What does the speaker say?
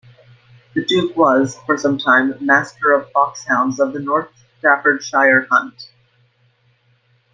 The Duke was for some time Master of Foxhounds of the North Staffordshire Hunt.